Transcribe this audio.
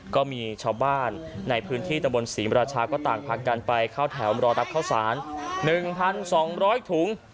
ก็มีชาวบ้านในพื้นที่ตะบนศรีมราชาก็ต่างพากันไปเข้าแถวรอรับข้าวสาร๑๒๐๐ถุง